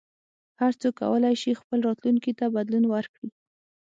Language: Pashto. هر څوک کولای شي خپل راتلونکي ته بدلون ورکړي.